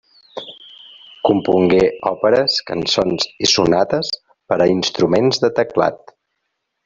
Compongué òperes, cançons i sonates per a instruments de teclat.